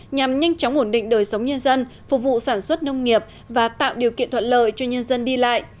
nhằm nhanh chóng ổn định đời sống nhân dân phục vụ sản xuất nông nghiệp và tạo điều kiện thuận lợi cho nhân dân đi lại